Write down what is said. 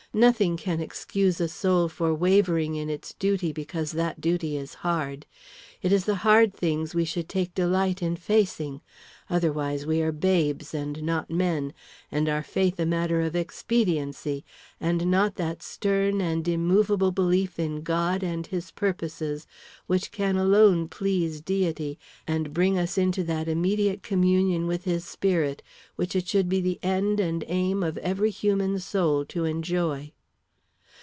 Nothing can excuse a soul for wavering in its duty because that duty is hard. It is the hard things we should take delight in facing; otherwise we are babes and not men, and our faith a matter of expediency, and not that stern and immovable belief in God and His purposes which can alone please Deity and bring us into that immediate communion with His spirit which it should be the end and aim of every human soul to enjoy.